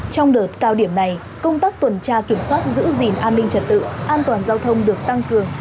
trong đợt cao điểm này công tác tuần tra kiểm soát giữ gìn an ninh trật tự an toàn giao thông được tăng cường